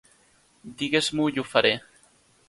Digues-m'ho i ho faré.